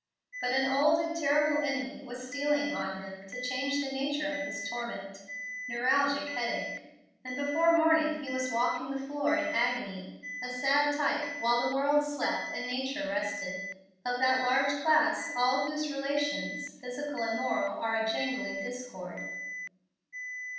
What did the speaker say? But an old and terrible enemy was stealing on him to change the nature of his torment neuralgic headache; and before morning he was walking the floor in agony, a sad type, while the world slept and nature rested, of that large class, all whose relations, physical and moral, are a jangling discord.